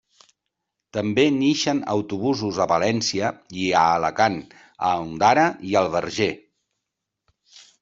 També n'ixen autobusos a València i a Alacant, a Ondara i al Verger.